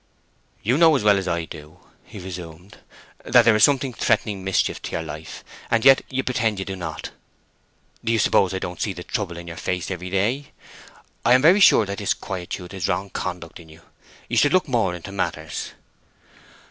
"You know as well as I do," he resumed, "that there is something threatening mischief to your life; and yet you pretend you do not. Do you suppose I don't see the trouble in your face every day? I am very sure that this quietude is wrong conduct in you. You should look more into matters."